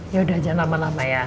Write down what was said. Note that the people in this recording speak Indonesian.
yaudah jangan lama lama ya